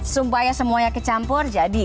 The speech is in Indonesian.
sumpahnya semuanya kecampur jadi